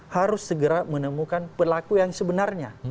harus segera menemukan pelaku yang sebenarnya